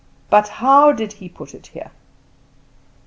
"But how did he put it here?"